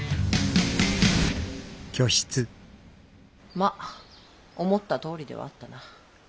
ま思ったとおりではあったな。